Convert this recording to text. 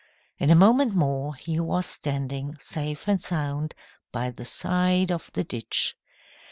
In a moment more he was standing, safe and sound, by the side of the ditch.